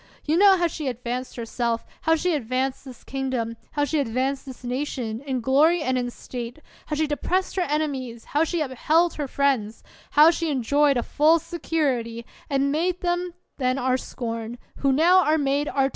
You know how she advanced herself, how she advanced this kingdom, how she advanced this nation, in glory and in State ; how she depressed her enemies, how she upheld her friends; how she enjoyed a full security, and made them then our scorn, who now are made our terror